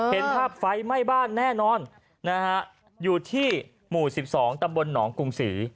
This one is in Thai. เห็นภาพไฟไหม้บ้านแน่นอนนะฮะอยู่ที่หมู่๑๒ตำบลหนองกรุงศรี